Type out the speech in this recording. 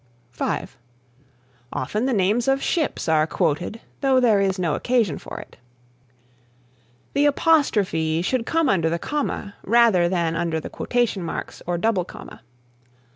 (5) Often the names of ships are quoted though there is no occasion for it. The Apostrophe should come under the comma rather than under the quotation marks or double comma.